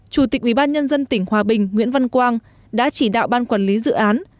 chủ tịch ubnd tỉnh hòa bình nguyễn văn quang đã chỉ đạo ban quản lý dự án